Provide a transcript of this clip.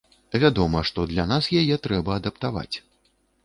Вядома, што для нас яе трэба адаптаваць.